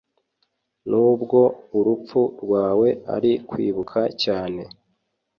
nubwo urupfu rwawe ari kwibuka cyane